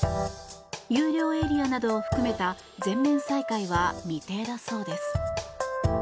有料エリアなどを含めた全面再開は、未定だそうです。